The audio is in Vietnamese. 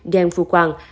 đen phu quang